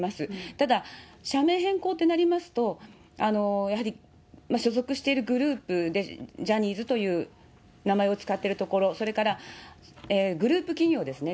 ただ、社名変更ってなりますと、やはり所属しているグループで、ジャニーズという名前を使ってるところ、それから、グループ企業ですね。